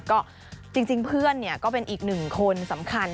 ก็จริงเพื่อนก็เป็นอีกหนึ่งคนสำคัญ